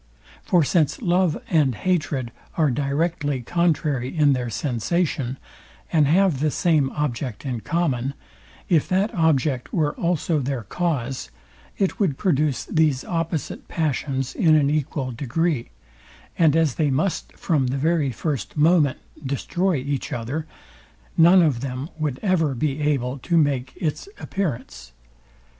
For since love and hatred are directly contrary in their sensation, and have the same object in common, if that object were also their cause, it would produce these opposite passions in an equal degree; and as they must, from the very first moment, destroy each other, none of them would ever be able to make its appearance.